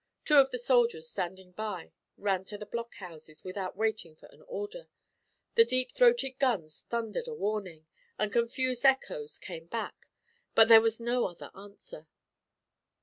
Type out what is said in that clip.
Two of the soldiers standing by ran to the blockhouses without waiting for an order. The deep throated guns thundered a warning, and confused echoes came back, but there was no other answer.